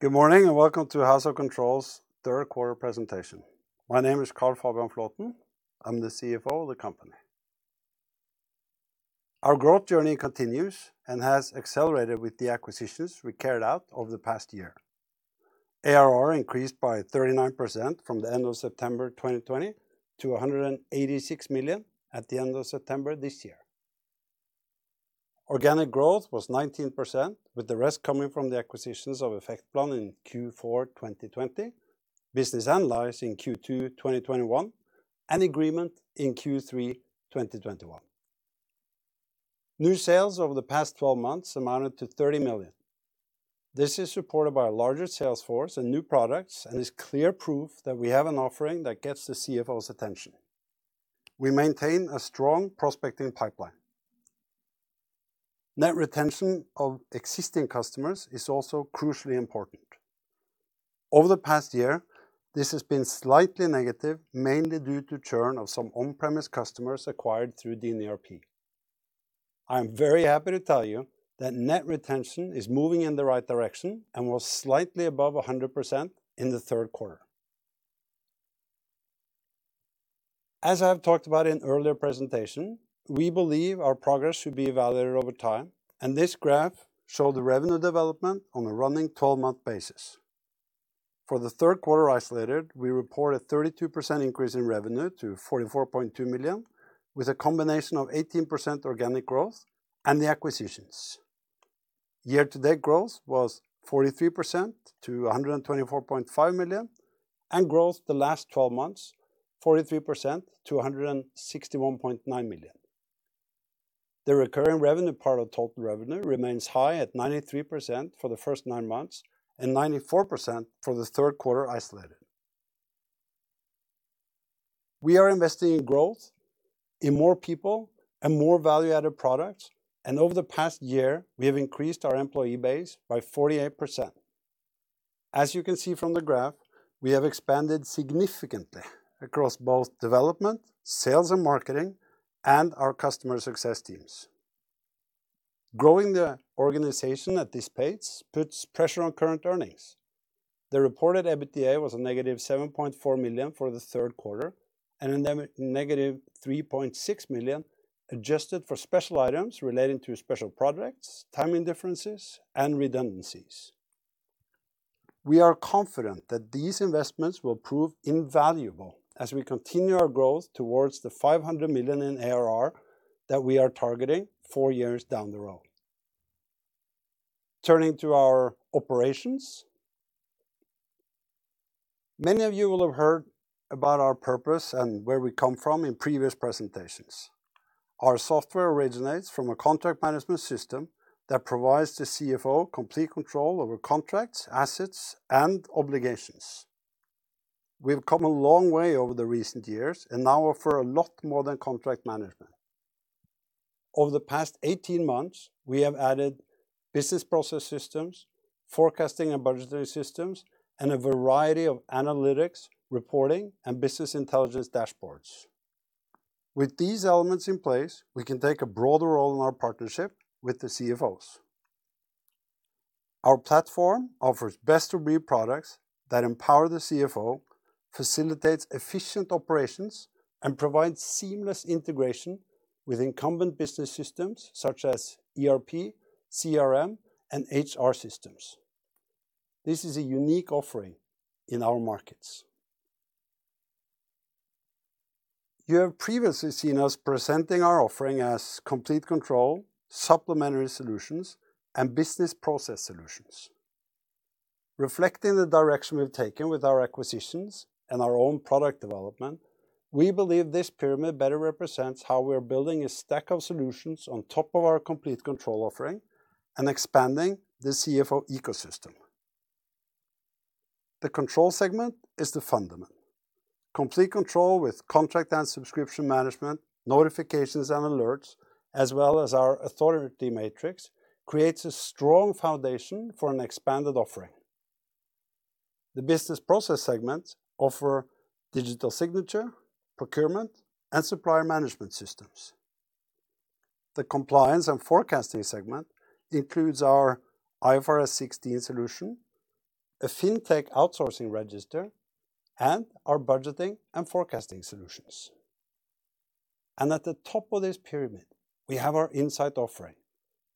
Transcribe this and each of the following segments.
Good morning, and welcome to House of Control's third quarter presentation. My name is Carl Fabian Flaaten. I'm the CFO of the company. Our growth journey continues and has accelerated with the acquisitions we carried out over the past year. ARR increased by 39% from the end of September 2020 to 186 million at the end of September this year. Organic growth was 19% with the rest coming from the acquisitions of Effectplan in Q4 2020, Business Analyze in Q2 2021, and Egreement in Q3 2021. New sales over the past 12 months amounted to 30 million. This is supported by a larger sales force and new products and is clear proof that we have an offering that gets the CFO's attention. We maintain a strong prospecting pipeline. Net retention of existing customers is also crucially important. Over the past year, this has been slightly negative, mainly due to churn of some on-premise customers acquired through DinERP. I'm very happy to tell you that net retention is moving in the right direction and was slightly above 100 in the third quarter. As I have talked about in earlier presentation, we believe our progress should be evaluated over time, and this graph show the revenue development on a running 12-month basis. For the third quarter isolated, we report a 32% increase in revenue to 44.2 million, with a combination of 18% organic growth and the acquisitions. Year-to-date growth was 43% to 124.5 million, and growth the last 12 months, 43% to 161.9 million. The recurring revenue part of total revenue remains high at 93% for the first nine months and 94% for the third quarter isolated. We are investing in growth, in more people and more value-added products, and over the past year, we have increased our employee base by 48%. As you can see from the graph, we have expanded significantly across both development, sales and marketing, and our customer success teams. Growing the organization at this pace puts pressure on current earnings. The reported EBITDA was a negative 7.4 million for the third quarter and a negative 3.6 million adjusted for special items relating to special projects, timing differences, and redundancies. We are confident that these investments will prove invaluable as we continue our growth towards the 500 million in ARR that we are targeting four years down the road. Turning to our operations. Many of you will have heard about our purpose and where we come from in previous presentations. Our software originates from a contract management system that provides the CFO complete control over contracts, assets, and obligations. We've come a long way over the recent years and now offer a lot more than contract management. Over the past 18 months, we have added business process systems, forecasting and budgetary systems, and a variety of analytics, reporting, and business intelligence dashboards. With these elements in place, we can take a broader role in our partnership with the CFOs. Our platform offers best-of-breed products that empower the CFO, facilitates efficient operations, and provides seamless integration with incumbent business systems such as ERP, CRM, and HR systems. This is a unique offering in our markets. You have previously seen us presenting our offering as Complete Control, supplementary solutions, and business process solutions. Reflecting the direction we've taken with our acquisitions and our own product development, we believe this pyramid better represents how we are building a stack of solutions on top of our Complete Control offering and expanding the CFO ecosystem. The control segment is the fundament. Complete Control with contract and subscription management, notifications and alerts, as well as our authority matrix, creates a strong foundation for an expanded offering. The business process segment offer digital signature, procurement, and supplier management systems. The compliance and forecasting segment includes our IFRS 16 solution, a Fintech Outsourcing Register, and our budgeting and forecasting solutions. At the top of this pyramid, we have our insight offering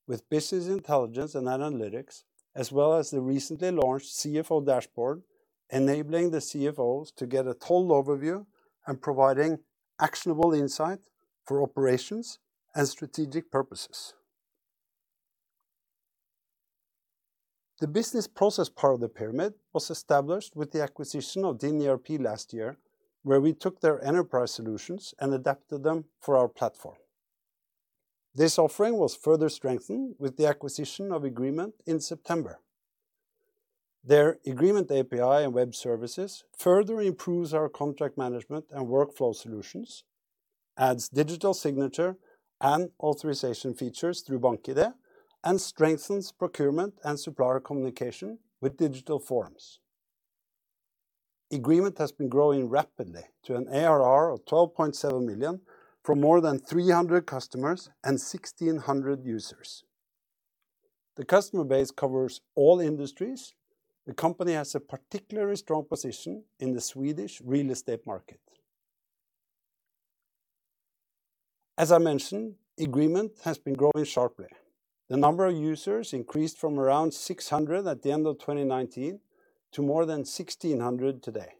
with business intelligence and analytics as well as the recently launched CFO Dashboards, enabling the CFOs to get a total overview and providing actionable insight for operations and strategic purposes. The business process part of the pyramid was established with the acquisition of DinERP last year, where we took their enterprise solutions and adapted them for our platform. This offering was further strengthened with the acquisition of Egreement in September. Their Egreement API and web services further improves our contract management and workflow solutions, adds digital signature and authorization features through BankID, and strengthens procurement and supplier communication with digital forms. Egreement has been growing rapidly to an ARR of 12.7 million from more than 300 customers and 1,600 users. The customer base covers all industries. The company has a particularly strong position in the Swedish real estate market. As I mentioned, Egreement has been growing sharply. The number of users increased from around 600 at the end of 2019 to more than 1,600 today.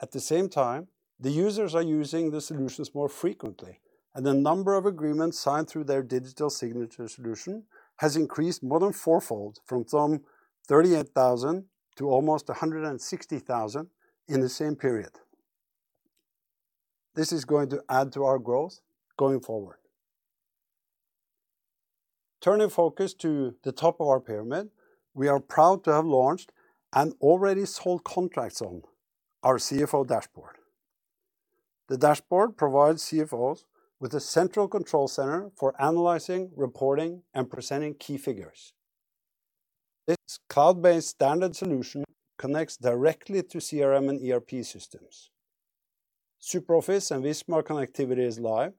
At the same time, the users are using the solutions more frequently, and the number of agreements signed through their digital signature solution has increased more than four-fold from some 38,000 to almost 160,000 in the same period. This is going to add to our growth going forward. Turning focus to the top of our pyramid, we are proud to have launched and already sold contracts on our CFO Dashboards. The dashboard provides CFOs with a central control center for analyzing, reporting, and presenting key figures. This cloud-based standard solution connects directly to CRM and ERP systems. SuperOffice and Visma connectivity is live.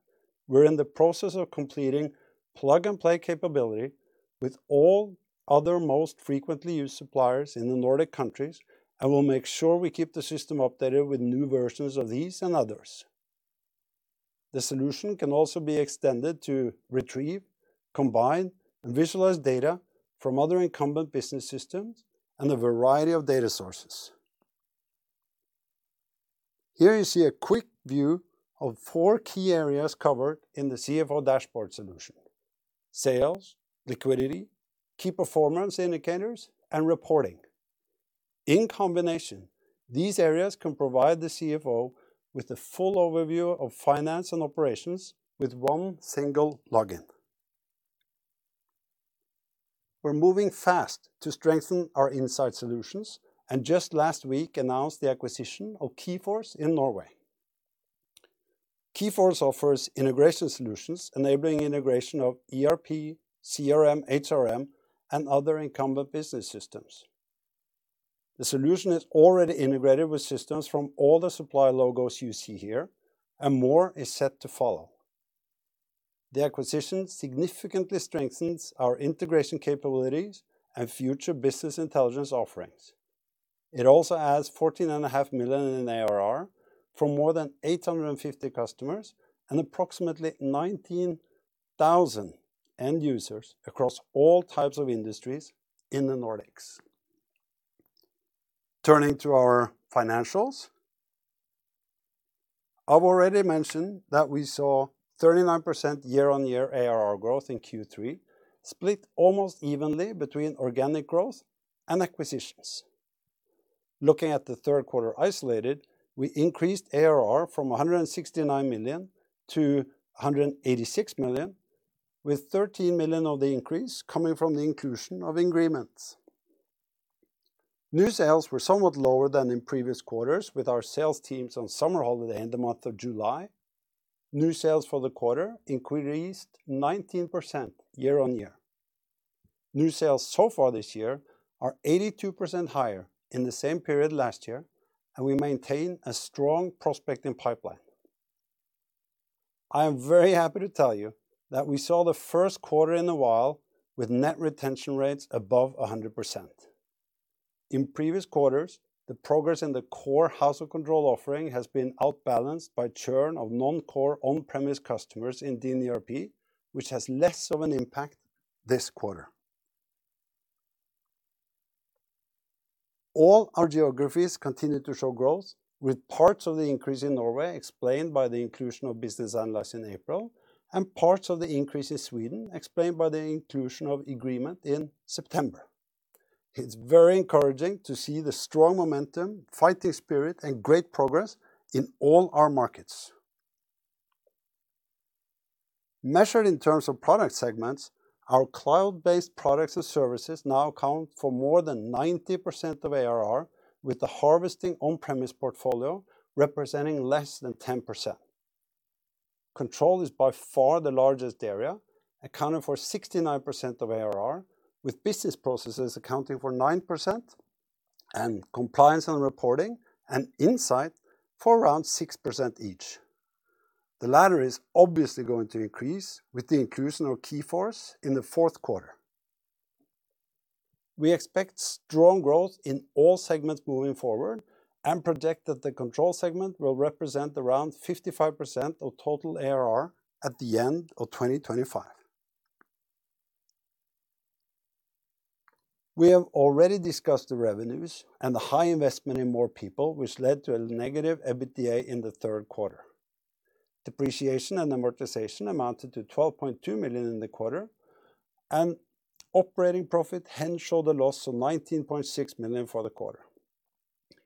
We're in the process of completing plug-and-play capability with all other most frequently used suppliers in the Nordic countries and will make sure we keep the system updated with new versions of these and others. The solution can also be extended to retrieve, combine, and visualize data from other incumbent business systems and a variety of data sources. Here you see a quick view of four key areas covered in the CFO Dashboards solution. Sales, liquidity, key performance indicators, and reporting. In combination, these areas can provide the CFO with the full overview of finance and operations with one single login. We're moving fast to strengthen our insight solutions, and just last week announced the acquisition of Keyforce in Norway. Keyforce offers integration solutions enabling integration of ERP, CRM, HRM, and other incumbent business systems. The solution is already integrated with systems from all the supplier logos you see here, and more is set to follow. The acquisition significantly strengthens our integration capabilities and future business intelligence offerings. It also adds 14.5 million in ARR from more than 850 customers and approximately 19,000 end users across all types of industries in the Nordics. Turning to our financials, I've already mentioned that we saw 39% year-on-year ARR growth in Q3, split almost evenly between organic growth and acquisitions. Looking at the third quarter isolated, we increased ARR from 169 million to 186 million, with 13 million of the increase coming from the inclusion of agreements. New sales were somewhat lower than in previous quarters with our sales teams on summer holiday in the month of July. New sales for the quarter increased 19% year-on-year. New sales so far this year are 82% higher in the same period last year, and we maintain a strong prospecting pipeline. I am very happy to tell you that we saw the first quarter in a while with net retention rates above 100%. In previous quarters, the progress in the core House of Control offering has been outbalanced by churn of non-core on-premise customers in DinERP, which has less of an impact this quarter. All our geographies continue to show growth, with parts of the increase in Norway explained by the inclusion of Business Analyze in April, and parts of the increase in Sweden explained by the inclusion of Egreement in September. It's very encouraging to see the strong momentum, fighting spirit, and great progress in all our markets. Measured in terms of product segments, our cloud-based products and services now account for more than 90% of ARR, with the harvesting on-premise portfolio representing less than 10%. Control is by far the largest area, accounting for 69% of ARR, with business processes accounting for 9% and compliance and reporting and insight for around 6% each. The latter is obviously going to increase with the inclusion of Keyforce in the fourth quarter. We expect strong growth in all segments moving forward and project that the control segment will represent around 55% of total ARR at the end of 2025. We have already discussed the revenues and the high investment in more people, which led to a negative EBITDA in the third quarter. Depreciation and amortization amounted to 12.2 million in the quarter, and operating profit hence showed a loss of 19.6 million for the quarter.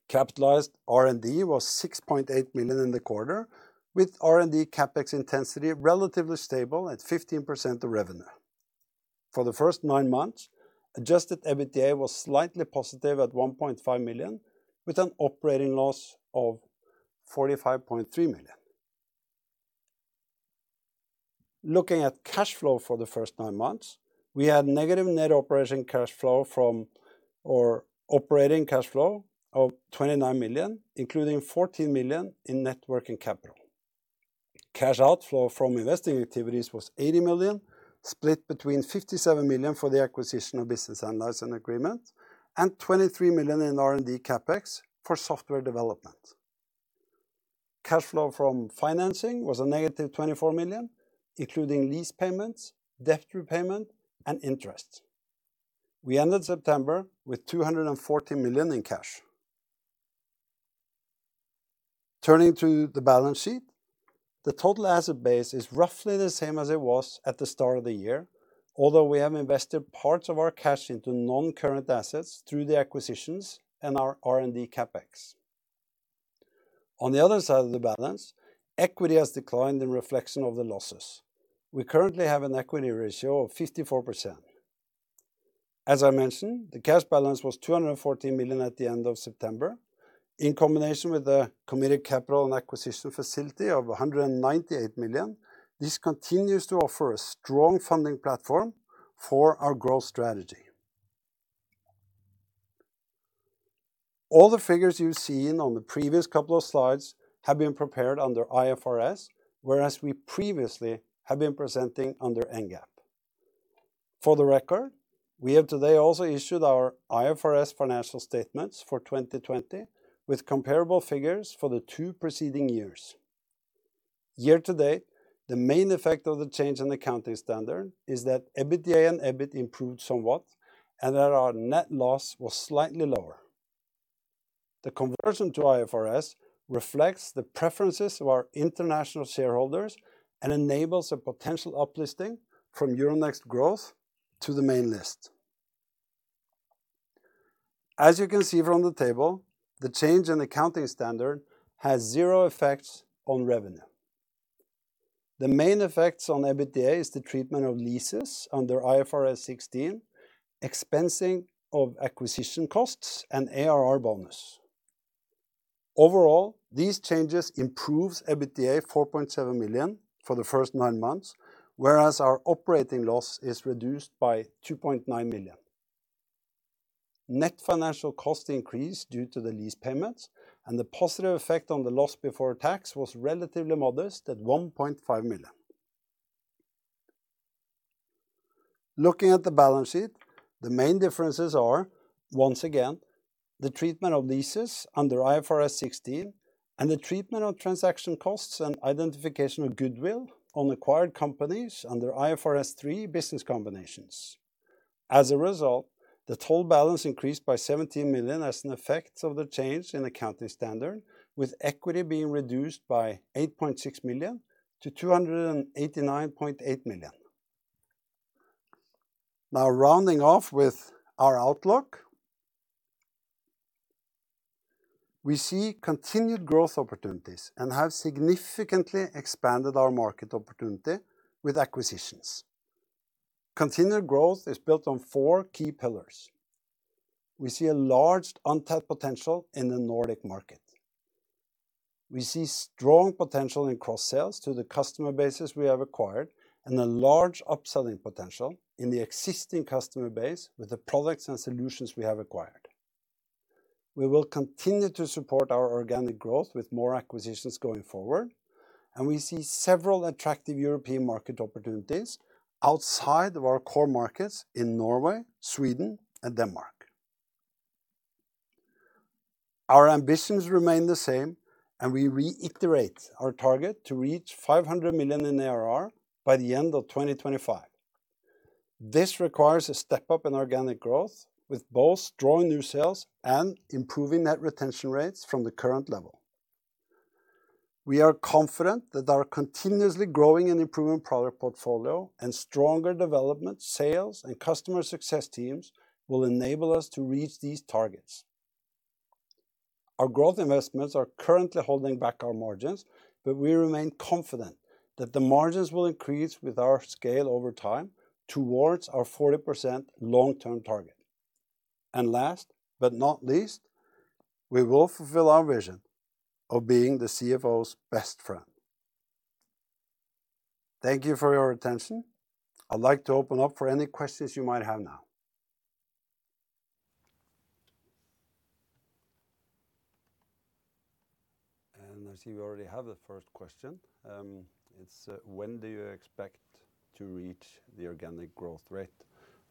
Capitalized R&D was 6.8 million in the quarter, with R&D CapEx intensity relatively stable at 15% of revenue. For the first nine months, adjusted EBITDA was slightly positive at 1.5 million, with an operating loss of 45.3 million. Looking at cash flow for the first nine months, we had negative net operating cash flow of 29 million, including 14 million in net working capital. Cash outflow from investing activities was 80 million, split between 57 million for the acquisition of Business Analyze and license agreement and 23 million in R&D CapEx for software development. Cash flow from financing was a negative 24 million, including lease payments, debt repayment, and interest. We ended September with 214 million in cash. Turning to the balance sheet, the total asset base is roughly the same as it was at the start of the year, although we have invested parts of our cash into non-current assets through the acquisitions and our R&D CapEx. On the other side of the balance, equity has declined in reflection of the losses. We currently have an equity ratio of 54%. As I mentioned, the cash balance was 214 million at the end of September. In combination with the committed capital and acquisition facility of 198 million, this continues to offer a strong funding platform for our growth strategy. All the figures you've seen on the previous couple of slides have been prepared under IFRS, whereas we previously have been presenting under NGAAP. For the record, we have today also issued our IFRS financial statements for 2020 with comparable figures for the 2 preceding years. Year to date, the main effect of the change in accounting standard is that EBITDA and EBIT improved somewhat, and that our net loss was slightly lower. The conversion to IFRS reflects the preferences of our international shareholders and enables a potential up listing from Euronext Growth to the main list. As you can see from the table, the change in accounting standard has 0 effects on revenue. The main effects on EBITDA is the treatment of leases under IFRS 16, expensing of acquisition costs, and ARR bonus. Overall, these changes improves EBITDA 4.7 million for the first 9 months, whereas our operating loss is reduced by 2.9 million. Net financial cost increased due to the lease payments, and the positive effect on the loss before tax was relatively modest at 1.5 million. Looking at the balance sheet, the main differences are, once again, the treatment of leases under IFRS 16 and the treatment of transaction costs and identification of goodwill on acquired companies under IFRS 3 business combinations. As a result, the total balance increased by 17 million as an effect of the change in accounting standard, with equity being reduced by 8.6 million to 289.8 million. Now, rounding off with our outlook, we see continued growth opportunities and have significantly expanded our market opportunity with acquisitions. Continued growth is built on four key pillars. We see a large untapped potential in the Nordic market. We see strong potential in cross-sales to the customer bases we have acquired and a large upselling potential in the existing customer base with the products and solutions we have acquired. We will continue to support our organic growth with more acquisitions going forward, and we see several attractive European market opportunities outside of our core markets in Norway, Sweden, and Denmark. Our ambitions remain the same, and we reiterate our target to reach 500 million in ARR by the end of 2025. This requires a step up in organic growth with both strong new sales and improving net retention rates from the current level. We are confident that our continuously growing and improving product portfolio and stronger development, sales, and customer success teams will enable us to reach these targets. Our growth investments are currently holding back our margins, but we remain confident that the margins will increase with our scale over time towards our 40% long-term target. Last but not least, we will fulfill our vision of being the CFO's best friend. Thank you for your attention. I'd like to open up for any questions you might have now. I see we already have the first question. It's: When do you expect to reach the organic growth rate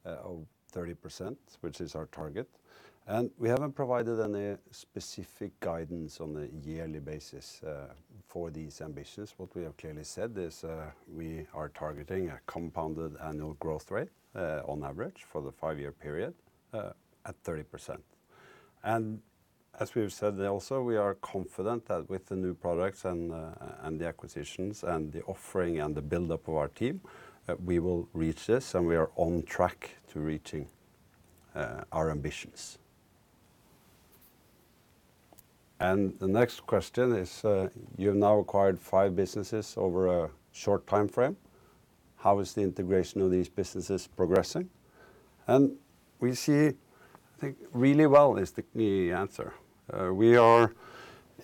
of 30%? Which is our target. We haven't provided any specific guidance on a yearly basis for these ambitions. What we have clearly said is we are targeting a compounded annual growth rate on average for the 5-year period at 30%. As we have said also, we are confident that with the new products and the acquisitions and the offering and the build-up of our team, that we will reach this, and we are on track to reaching our ambitions. The next question is: You've now acquired 5 businesses over a short timeframe. How is the integration of these businesses progressing? We see, I think, really well is the key answer. We are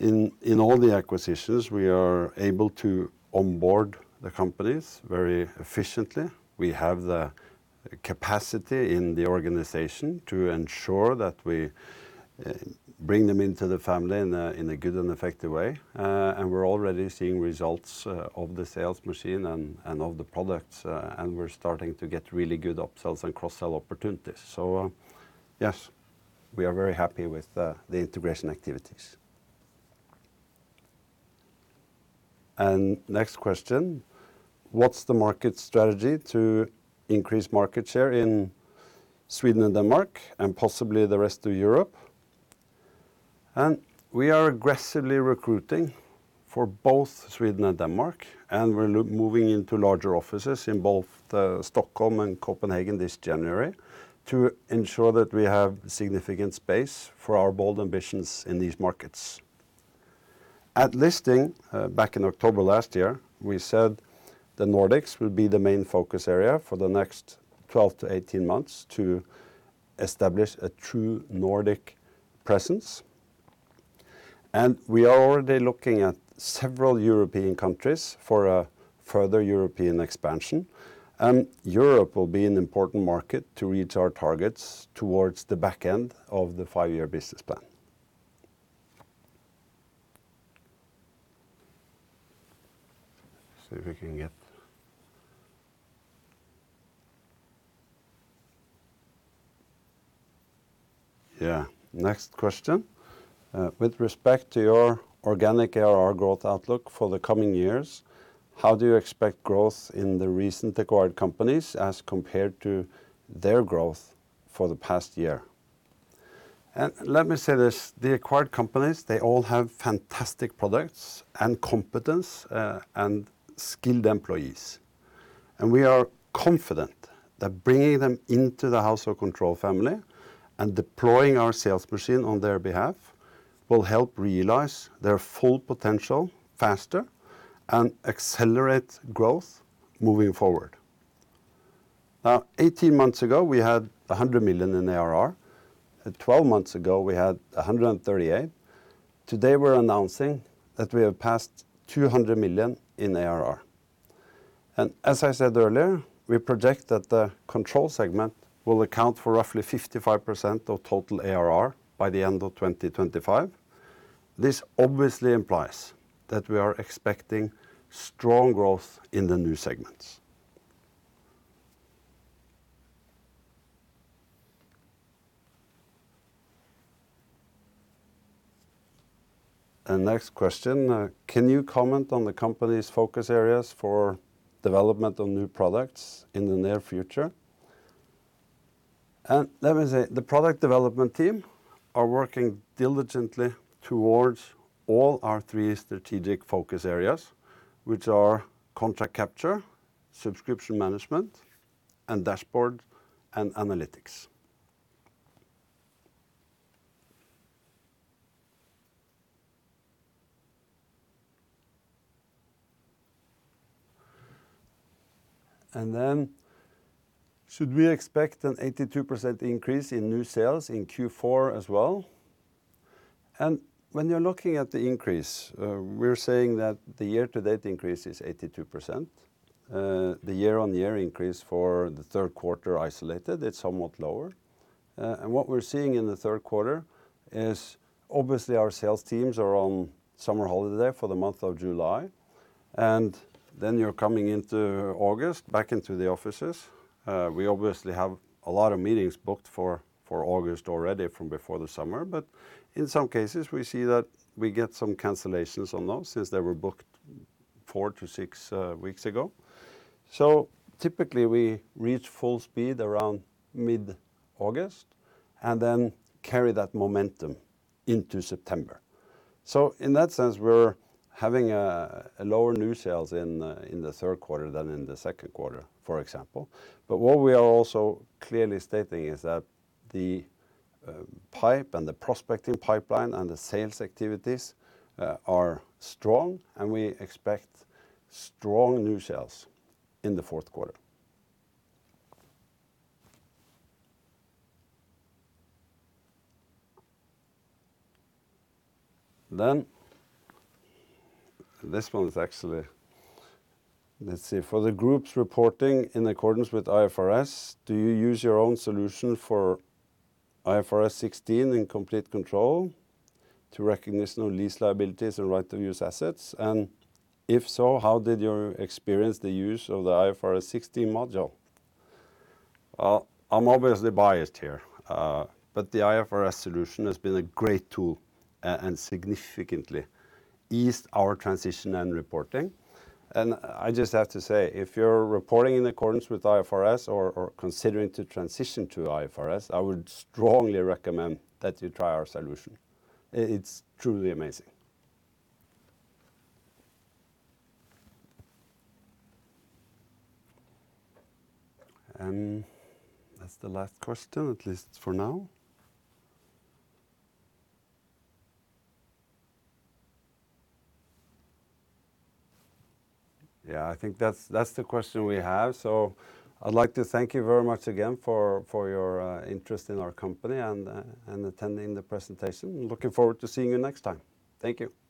in all the acquisitions, we are able to onboard the companies very efficiently. We have the capacity in the organization to ensure that we bring them into the family in a good and effective way. We're already seeing results of the sales machine and of the products, and we're starting to get really good upsells and cross-sell opportunities. Yes, we are very happy with the integration activities. Next question, what's the market strategy to increase market share in Sweden and Denmark and possibly the rest of Europe? We are aggressively recruiting for both Sweden and Denmark, and we're moving into larger offices in both Stockholm and Copenhagen this January to ensure that we have significant space for our bold ambitions in these markets. At listing, back in October last year, we said the Nordics will be the main focus area for the next 12-18 months to establish a true Nordic presence. We are already looking at several European countries for a further European expansion. Europe will be an important market to reach our targets towards the back end of the five-year business plan. Next question. With respect to your organic ARR growth outlook for the coming years, how do you expect growth in the recent acquired companies as compared to their growth for the past year? Let me say this, the acquired companies, they all have fantastic products and competence, and skilled employees. We are confident that bringing them into the House of Control family and deploying our sales machine on their behalf will help realize their full potential faster and accelerate growth moving forward. Now, 18 months ago, we had 100 million in ARR. At 12 months ago, we had 138 million. Today, we're announcing that we have passed 200 million in ARR. As I said earlier, we project that the control segment will account for roughly 55% of total ARR by the end of 2025. This obviously implies that we are expecting strong growth in the new segments. Next question, can you comment on the company's focus areas for development of new products in the near future? Let me say, the product development team are working diligently towards all our three strategic focus areas, which are contract capture, subscription management, and dashboard and analytics. Should we expect an 82% increase in new sales in Q4 as well? When you're looking at the increase, we're saying that the year-to-date increase is 82%. The year-on-year increase for the third quarter isolated, it's somewhat lower. What we're seeing in the third quarter is obviously our sales teams are on summer holiday for the month of July, and then you're coming into August, back into the offices. We obviously have a lot of meetings booked for August already from before the summer. In some cases, we see that we get some cancellations on those since they were booked 4-6 weeks ago. Typically, we reach full speed around mid-August and then carry that momentum into September. In that sense, we're having a lower new sales in the third quarter than in the second quarter, for example. What we are also clearly stating is that the pipe and the prospecting pipeline and the sales activities are strong, and we expect strong new sales in the fourth quarter. This one is actually. Let's see. For the groups reporting in accordance with IFRS, do you use your own solution for IFRS 16 in Complete Control to recognition of lease liabilities and right-to-use assets? And if so, how did you experience the use of the IFRS 16 module? Well, I'm obviously biased here, but the IFRS solution has been a great tool, and significantly eased our transition and reporting. I just have to say, if you're reporting in accordance with IFRS or considering to transition to IFRS, I would strongly recommend that you try our solution. It's truly amazing. That's the last question, at least for now. Yeah, I think that's the question we have. I'd like to thank you very much again for your interest in our company and attending the presentation. Looking forward to seeing you next time. Thank you.